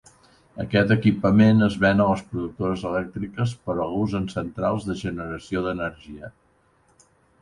Aquest equipament es ven a les productores elèctriques per a l'ús en centrals de generació d'energia.